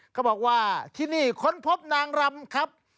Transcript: เขาบอกว่าที่นี่ค้นพบนางรำครับ